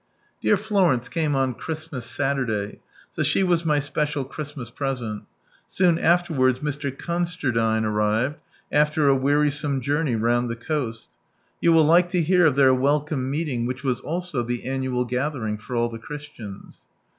Dear Florence came on Christmas Saturday, so she was my special Christmas present. Soon afterwards Mr. Consterdine arrived, after a wearisome journey round the coast. You will like to hear of their welcome meeting which was also the annual gathering for all the Christians.